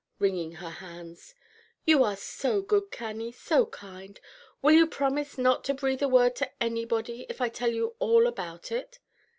wringing her hands. "You are so good, Cannie, so kind. Will you promise not to breathe a word to anybody if I tell you all about it?"